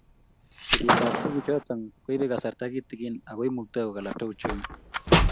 Ibet ab tukuk choto koibei kasarta kitikin ako imuktoi kokalab uchumi